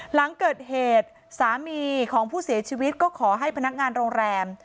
หลังเกิดเหตุสามีของผู้เสียชีวิตก็ขอให้พนักงานโรงแรม